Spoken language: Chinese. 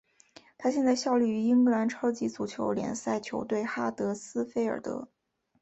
他现在效力于英格兰超级足球联赛球队哈德斯菲尔德。